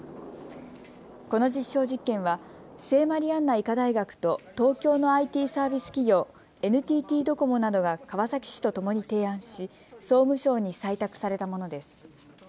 この実証実験は聖マリアンナ医科大学と東京のＩＴサービス企業、ＮＴＴドコモなどが川崎市とともに提案し総務省に採択されたものです。